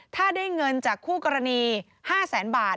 ถ้าได้เงินจากคู่กรณี๕แสนบาท